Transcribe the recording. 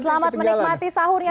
selamat menikmati sahurnya